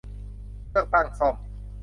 เลือกตั้งซ่อม